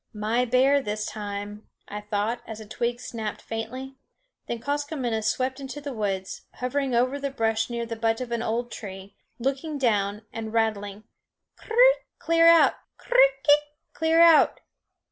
"My bear this time," I thought, as a twig snapped faintly. Then Koskomenos swept into the woods, hovering over the brush near the butt of the old tree, looking down and rattling klrrrik, clear out! klrrr ik, clear out!